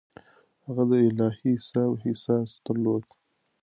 هغه د الهي حساب احساس درلود.